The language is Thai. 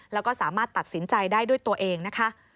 แล้วก็สามารถตัดสินใจได้ด้วยตัวเองนะคะ